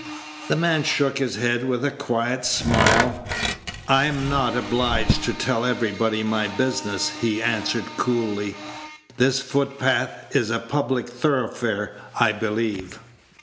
The man shook his head with a quiet smile. "I'm not obliged to tell everybody my business," he answered, coolly; "this footpath is a public thoroughfare, I believe?"